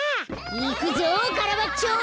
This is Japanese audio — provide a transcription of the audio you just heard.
いくぞカラバッチョ！